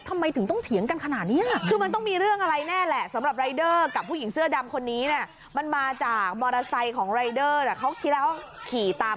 ไม่ต้องหุ้ยกันดูไม่สนไปสังคม